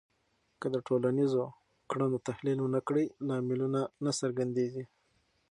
که د ټولنیزو کړنو تحلیل ونه کړې، لاملونه نه څرګندېږي.